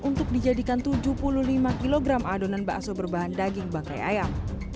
untuk dijadikan tujuh puluh lima kg adonan bakso berbahan daging bangkai ayam